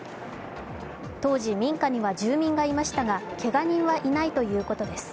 当時、民家には住民がいましたが、けが人はいないということです。